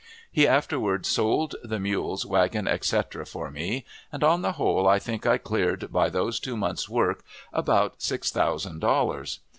He afterward sold the mules, wagon, etc., for me, and on the whole I think I cleared, by those two months' work, about six thousand dollars.